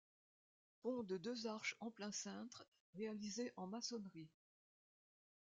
Pont de deux arches en plein cintre réalisé en maçonnerie.